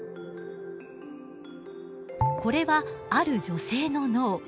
これはある女性の脳。